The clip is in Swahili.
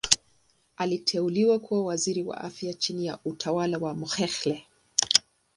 Aliteuliwa kuwa Waziri wa Afya chini ya utawala wa Mokhehle.